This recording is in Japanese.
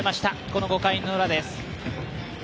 この５回のウラです。